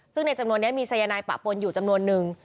ซึ่งในจำนวนนี้มีสายนายปะปนอยู่จำนวนนึง